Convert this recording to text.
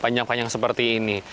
panjang panjang seperti ini